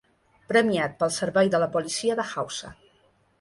Premiat pel servei de la policia de Hausa.